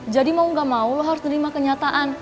jadi mau gak mau lo harus terima kenyataan